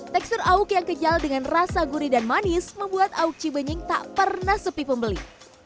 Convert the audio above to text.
tekstur auk yang kejal dengan rasa gurih dan manis membuat auk cibenying tak pernah sepi pembeli